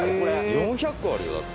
「４００個あるよだって」